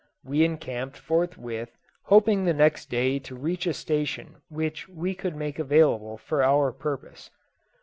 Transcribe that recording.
We encamped forthwith, hoping the next day to reach a station which we could make available for our purpose.